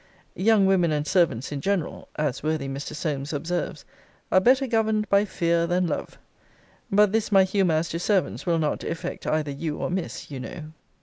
Young women and servants in general (as worthy Mr. Solmes observes) are better governed by fear than love. But this my humour as to servants will not effect either you or Miss, you know.